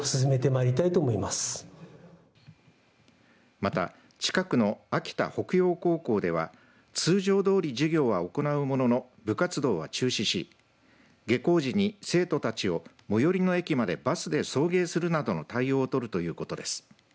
また、近くの秋田北鷹高校では通常どおり授業は行うものの部活動は中止し下校時に生徒たちを最寄の駅までバスで送迎するなどの対応をとるということです。